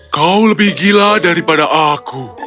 kau lebih gila daripada aku